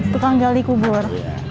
tukang gali kubur